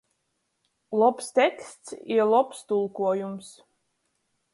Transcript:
Lobs teksts i lobs tulkuojums.